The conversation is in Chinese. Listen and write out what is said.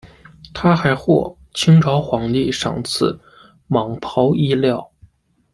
他还获清朝皇帝赏赐蟒袍衣料。